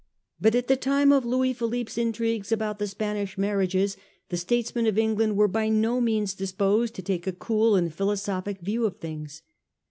But at the time of Louis Philippe's intrigues about the Spanish marriages, the statesmen of England were by no means disposed to take a cool and philosophic view of things.